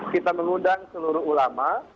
kita mengundang seluruh ulama